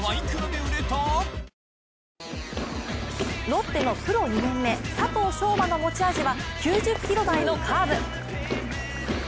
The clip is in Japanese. ロッテのプロ２年目佐藤奨真の持ち味は９０キロ台のカーブ。